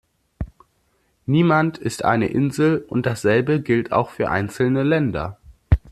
Niemand ist eine Insel, und dasselbe gilt auch für einzelne Länder.